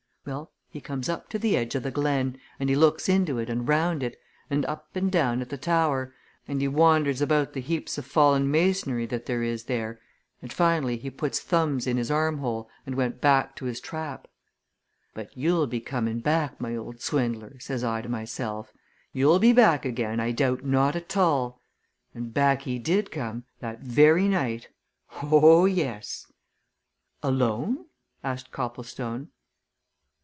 Well, he comes up to the edge of the glen, and he looks into it and round it, and up and down at the tower, and he wanders about the heaps of fallen masonry that there is there, and finally he puts thumbs in his armhole and went slowly back to his trap. 'But you'll be coming back, my old swindler!' says I to myself. 'You'll be back again I doubt not at all!' And back he did come that very night. Oh, yes!" "Alone?" asked Copplestone.